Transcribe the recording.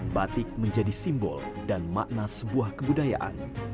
batik menjadi simbol dan makna sebuah kebudayaan